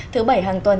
thứ bảy hàng tuần